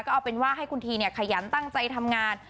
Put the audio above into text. ก็เอาเป็นว่าให้คุณทีขยันตั้งใจทำงาน